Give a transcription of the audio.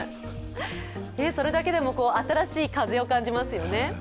それだけでも新しい風を感じますよね。